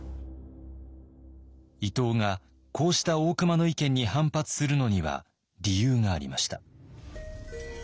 伊藤がこうした大隈の意見に反発するのには理由がありました。